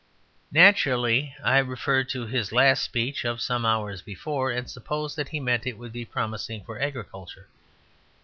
Naturally I referred to his last speech of some hours before; and supposed he meant that it would be promising for agriculture.